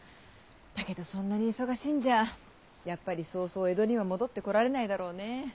だけどそんなに忙しいんじゃやっぱりそうそう江戸には戻ってこられないだろうねぇ。